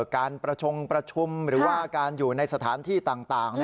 การประชงประชุมหรือว่าการอยู่ในสถานที่ต่าง